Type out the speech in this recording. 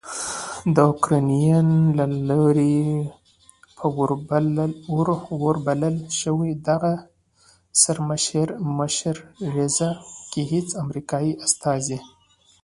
داوکرایین له لوري په وربلل شوې دغه سرمشریزه کې هیڅ امریکایي استازی